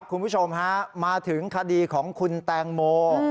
คุณผู้ชมฮะมาถึงคดีของคุณแตงโม